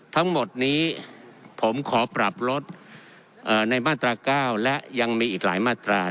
ทั้งหมดนี้ผมขอปรับลดในมาตรา๙และยังมีอีกหลายมาตรา